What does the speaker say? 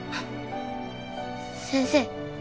先生